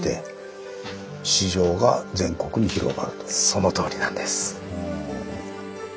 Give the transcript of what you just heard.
そのとおりなんです。